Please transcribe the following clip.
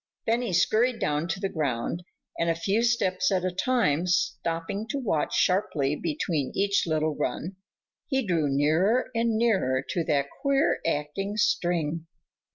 Then he scurried down to the ground and, a few steps at a time, stopping to watch sharply between each little run, he drew nearer and nearer to that queer acting string.